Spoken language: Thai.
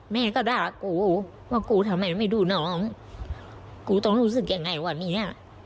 แม่ก็ด่ากูว่ากูทำไมไม่ดูน้องกูต้องรู้สึกยังไงวันนี้